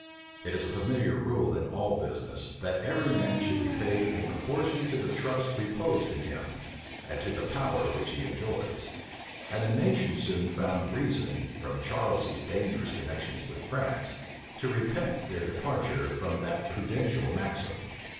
It is a familiar rule in all business, that every man should be paid in proportion to the trust reposed in him, and to the power which he enjoys; and the nation soon found reason, from Charles's dangerous connections with France, to repent their departure from that prudential maxim.